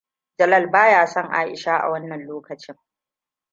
Jalal ba ya son Aisha a wannan lokacin.